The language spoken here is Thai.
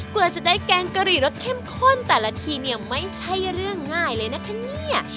กว่าจะได้แกงกะหรี่รสเข้มข้นแต่ละทีเนี่ยไม่ใช่เรื่องง่ายเลยนะคะเนี่ย